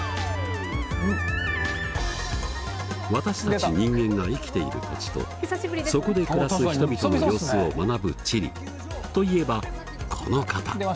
私たち人間が生きている土地とそこで暮らす人々の様子を学ぶ「地理」といえばこの方！出ました！